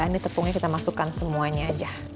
ini tepungnya kita masukkan semuanya aja